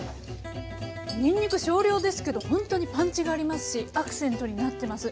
にんにく少量ですけどほんとにパンチがありますしアクセントになってます。